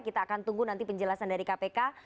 kita akan tunggu nanti penjelasan dari kpk